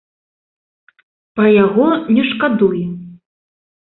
Пра яго не шкадуе.